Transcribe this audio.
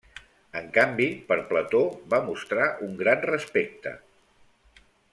En canvi per Plató va mostrar un gran respecte.